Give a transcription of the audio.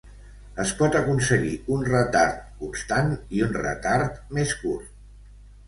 Es pot aconseguir un retard constant i un retard més curt.